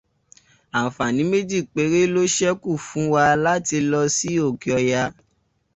Àǹfàní méjì péré ló ṣẹ́kù fún wa láti lọ sí Òkè Ọya.